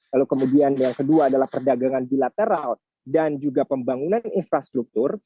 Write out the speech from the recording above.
lalu kemudian yang kedua adalah perdagangan bilateral dan juga pembangunan infrastruktur